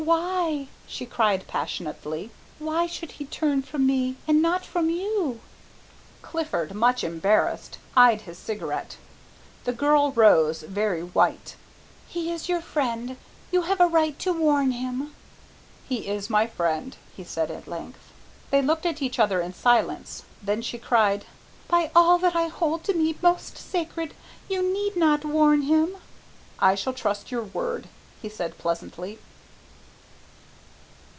Why!" she cried passionately, "why should he turn from me and not from you?" Clifford, much embarrassed, eyed his cigarette. The girl rose, very white. "He is your friend you have a right to warn him." "He is my friend," he said at length. They looked at each other in silence. Then she cried, "By all that I hold to me most sacred, you need not warn him!" "I shall trust your word," he said pleasantly.